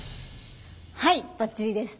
はいバッチリです。